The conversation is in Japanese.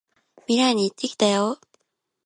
未来に行ってきたよ！